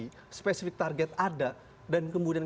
target spesifik ada dan kemudian